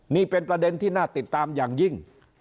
นี่เป็นประเด็นที่น่าติดตามอย่างยิ่ง